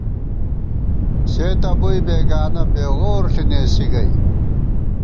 سے تہ بُوئی بېگانہ پېغور ݪی نېسِی گئ